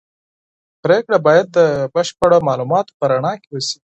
پرېکړه باید د بشپړو معلوماتو په رڼا کي وسي.